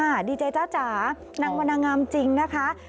ค่ะดีใจจ้านางวรรณงามจริงนะคะ